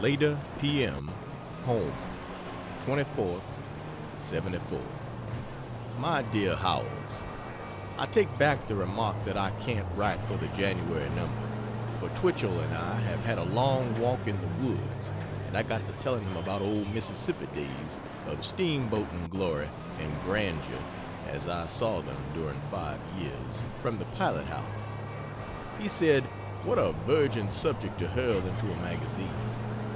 Later, P.M. HOME, 24th '74. MY DEAR HOWELLS, I take back the remark that I can't write for the Jan. number. For Twichell and I have had a long walk in the woods and I got to telling him about old Mississippi days of steam boating glory and grandeur as I saw them (during 5 years) from the pilothouse. He said "What a virgin subject to hurl into a magazine!"